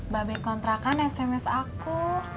babenya kontrakan sms aku